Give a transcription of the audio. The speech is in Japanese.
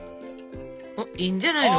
いいんじゃないの？